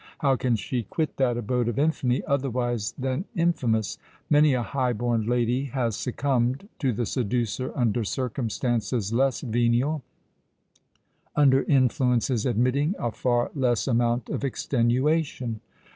how can she quit that abode of infamy, otherwise than infamous? Many a high born lady has succumbed to the seducer under circumstances less venial,—under influences admitting a far less amount of extenuation!